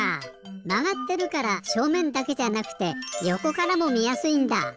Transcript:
まがってるからしょうめんだけじゃなくてよこからもみやすいんだ！